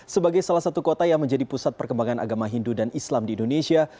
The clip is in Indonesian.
sebagai salah satu kota yang menjadi pusat perkembangan agama hindu dan islam di indonesia